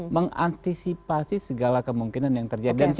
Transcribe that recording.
mengantisipasi segala kemungkinan yang terjadi